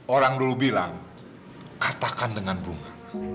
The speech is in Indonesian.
orang dulu bilang katakan dengan bunga